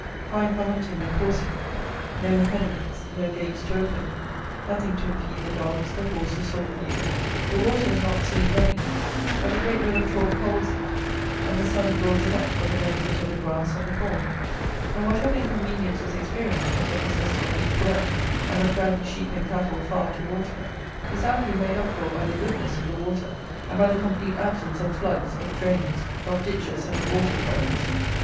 Fine for hunting and coursing: no impediments; no gates to open; nothing to impede the dogs, the horses, or the view. The water is not seen running; but the great bed of chalk holds it, and the sun draws it up for the benefit of the grass and the corn; and, whatever inconvenience is experienced from the necessity of deep wells, and of driving sheep and cattle far to water, is amply made up for by the goodness of the water, and by the complete absence of floods, of drains, of ditches and of water furrows.